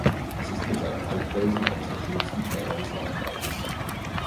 Es ist mit seinen Kalkfelsen eines der schönsten Täler des Landkreises.